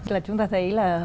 là chúng ta thấy là